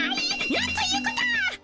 なんということを！